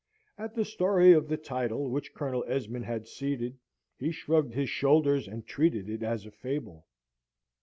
At the story of the title which Colonel Esmond had ceded, he shrugged his shoulders, and treated it as a fable.